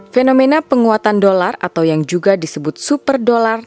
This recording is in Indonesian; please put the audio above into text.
fenomena penguatan dolar atau yang juga disebut super dolar